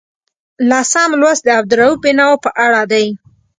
لسم لوست د عبدالرؤف بېنوا په اړه دی.